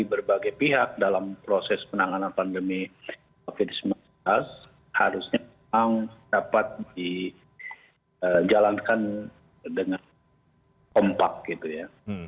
jadi berbagai pihak dalam proses penanganan pandemi covid sembilan belas harusnya memang dapat dijalankan dengan kompak gitu ya